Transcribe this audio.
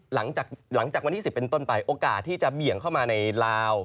หลังจากวันที่๑๐เป็นต้นไปโอกาสที่จะเบี่ยงเข้ามาในลาว